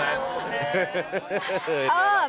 โอ้ขอบคุณทีม